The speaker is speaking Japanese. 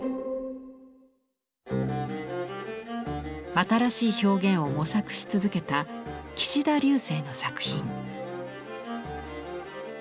新しい表現を模索し続けた岸田劉生の作品。